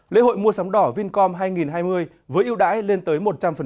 lễ hội mua sóng đỏ vincom hai nghìn hai mươi với ưu đãi lên tới một trăm linh